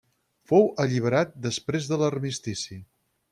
Fou alliberat després de l'Armistici.